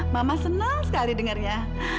mama senang sekali dengernya